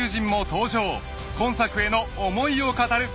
［今作への思いを語る］